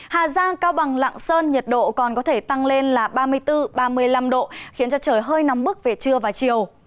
hà giang cao bằng lạng sơn nhiệt độ còn có thể tăng lên là ba mươi bốn ba mươi năm độ khiến cho trời hơi nóng bức về trưa và chiều